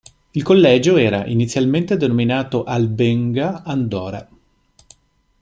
Il collegio era inizialmente denominato Albenga-Andora.